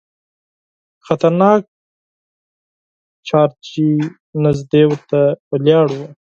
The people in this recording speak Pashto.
خطرناک جارچي نیژدې ورته ولاړ وو.